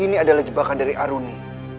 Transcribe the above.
ini adalah jebakan dari aruni